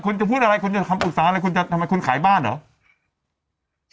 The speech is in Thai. คุณจะพูดอะไรคุณจะคำปรึกษาอะไรคุณจะทำไมคุณขายบ้านเหรอ